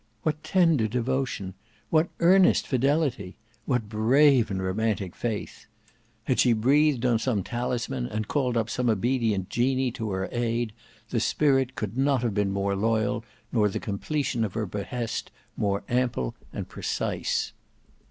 What tender devotion! What earnest fidelity! What brave and romantic faith! Had she breathed on some talisman, and called up some obedient genie to her aid, the spirit could not have been more loyal, nor the completion of her behest more ample and precise.